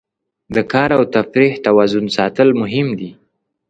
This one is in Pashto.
د کار او تفریح توازن ساتل مهم دي.